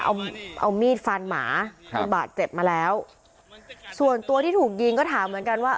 เอาเอามีดฟันหมาจนบาดเจ็บมาแล้วส่วนตัวที่ถูกยิงก็ถามเหมือนกันว่า